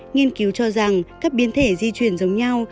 nghiên cứu cho rằng các biến thể di chuyển giống nhau